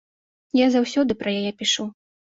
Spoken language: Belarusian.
Я заўсёды пра яе пішу.